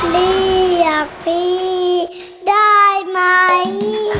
เรียกพี่ได้ไหม